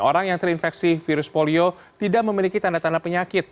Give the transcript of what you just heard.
orang yang terinfeksi virus polio tidak memiliki tanda tanda penyakit